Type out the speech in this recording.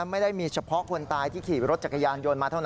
ไม่ได้มีเฉพาะคนตายที่ขี่รถจักรยานยนต์มาเท่านั้น